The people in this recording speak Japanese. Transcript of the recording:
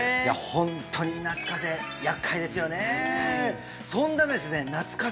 ホントに夏風邪厄介ですよね